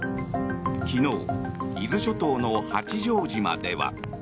昨日、伊豆諸島の八丈島では。